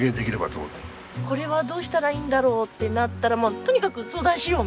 これはどうしたらいいんだろう？ってなったらとにかく相談しよう！